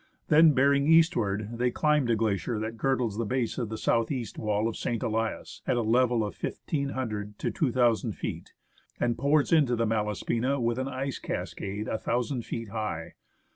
Then bearing eastward, they climbed a glacier that girdles the base of the south east wall of St. Elias at a level of 1,500 to 2,000 feet, and pours into the Malaspina with an ice cascade a thousand feet high.